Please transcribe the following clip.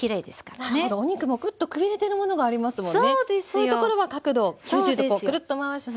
そういうところは角度を９０度くるっと回して。